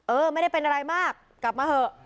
เออไม่ได้เป็นอะไรมากกลับมาเถอะ